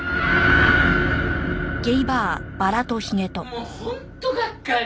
もう本当がっかり。